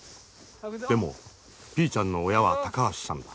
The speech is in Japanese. でもピーちゃんの親は高橋さんだ。